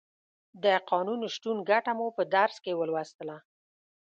د قانون شتون ګټه مو په درس کې ولوستله.